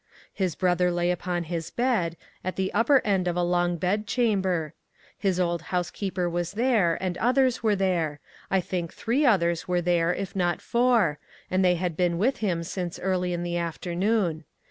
His brother lay upon his bed, at the upper end of a long bed chamber. His old housekeeper was there, and others were there: I think three others were there, if not four, and they had been with him since early in the afternoon.